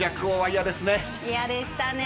嫌でしたね。